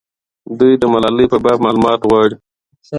دوی د ملالۍ په باب معلومات غواړي.